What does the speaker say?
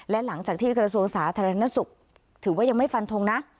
และหลังจากที่กระทรวงสาธารณสุขถือว่ายังไม่ฟันทงนะ